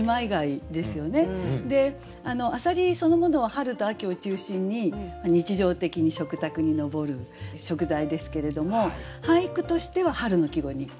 で浅蜊そのものは春と秋を中心に日常的に食卓に上る食材ですけれども俳句としては春の季語になってるんですね。